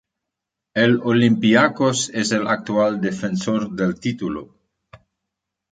El Olympiacos es el actual defensor del título.